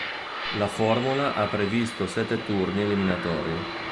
La formula ha previsto sette turni eliminatori.